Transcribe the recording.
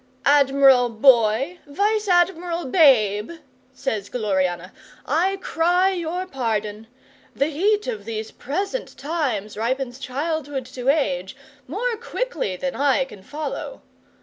'"Admiral Boy Vice Admiral Babe," says Gloriana, "I cry your pardon. The heat of these present times ripens childhood to age more quickly than I can follow.